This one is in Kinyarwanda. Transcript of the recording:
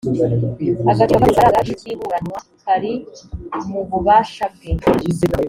agaciro k’amafaranga y’ikiburanwa kari mu bubasha bwe